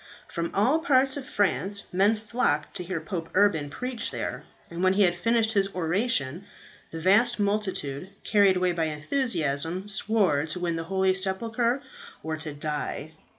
From all parts of France men flocked to hear Pope Urban preach there; and when he had finished his oration, the vast multitude, carried away by enthusiasm, swore to win the holy sepulchre or to die.